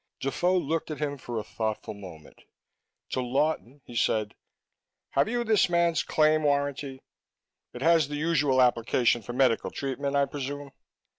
Defoe looked at him for a thoughtful moment. To Lawton, he said: "Have you this man's claim warranty? It has the usual application for medical treatment, I presume?"